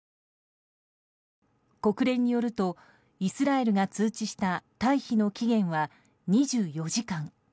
国連によるとイスラエルが通知した退避の期限は２４時間。